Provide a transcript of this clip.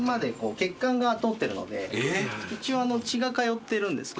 一応血が通ってるんですけど。